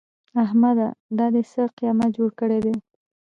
احمده! دا دې څه قيامت جوړ کړی دی؟